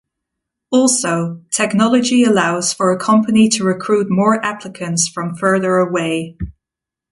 Also, technology allows for a company to recruit more applicants from further away.